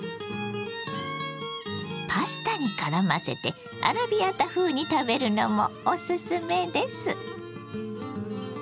パスタにからませてアラビアータ風に食べるのもおすすめです。